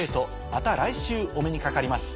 また来週お目にかかります。